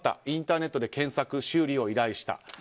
インターネットで検索修理を依頼した。